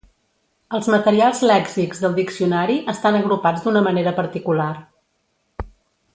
Els materials lèxics del diccionari estan agrupats d'una manera particular.